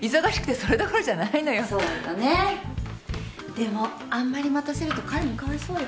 でもあんまり待たせると彼もかわいそうよ。